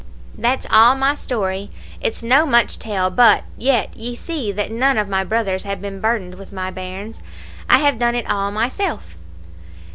"That's all my story. It's no much tell; but yet, ye see that none of my brothers have been burdened with my bairns. I have done it all myself."